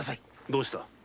どうした？